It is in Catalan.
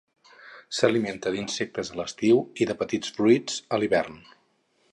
S'alimenta d'insectes a l'estiu i de petits fruits a l'hivern.